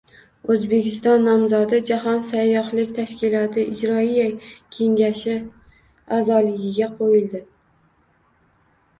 O‘zbekiston nomzodi Jahon sayyohlik tashkiloti Ijroiya kengashi a’zoligiga qo‘yildi